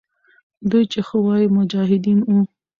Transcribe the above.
دوی چې ښه وایي، مجاهدین وو.